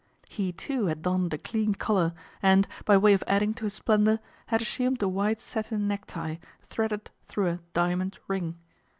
He, too, had donned a clean collar and, by way of adding to his splendour, had assumed a white satin necktie threaded through a " diamond " ring.